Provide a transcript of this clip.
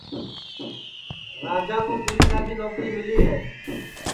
راجا کُو پُولِیسا کی نوکری مِلی ہے